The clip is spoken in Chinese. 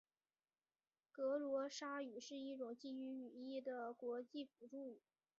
格罗沙语是一种基于语义的国际辅助语。